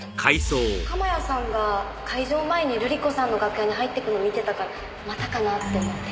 鎌谷さんが開場前に瑠里子さんの楽屋に入ってくの見てたからまたかなって思って。